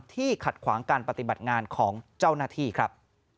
ขัดขวางการปฏิบัติงานของเจ้าหน้าที่ครับ